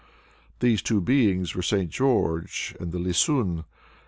These two beings were St. George and the Lisun.